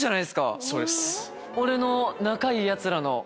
俺の仲いいヤツらの。